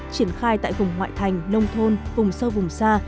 triển khai tại vùng ngoại thành nông thôn vùng sâu vùng xa